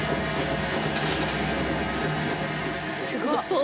すごそう。